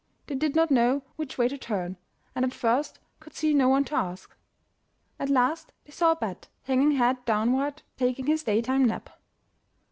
They did not know which way to turn, and at first could see no one to ask. At last they saw a bat, hanging head downward, taking his day time nap.